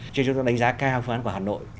cho chúng tôi đánh giá cao phương án của hà nội